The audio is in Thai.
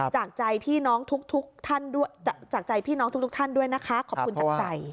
จากใจพี่น้องทุกท่านด้วยนะคะขอบคุณจากใจ